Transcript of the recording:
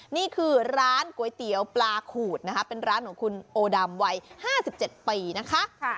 นี่คือร้านก๋วยเตี๋ยวปลาขูดนะคะเป็นร้านของคุณโอดำวัย๕๗ปีนะคะ